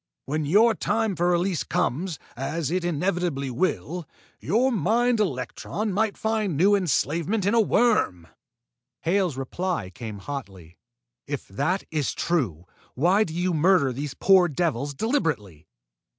When your time for release comes, as it inevitably will, your mind electron might find new enslavement in a worm!" Hale's reply came hotly. "If that is true, why do you murder these poor devils deliberately!"